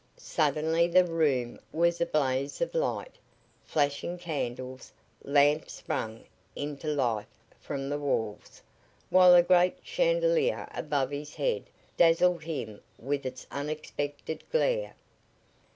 Suddenly the room was a blaze of light; flashing candles, lamps, sprung into life from the walls, while a great chandelier above his head dazzled him with its unexpected glare.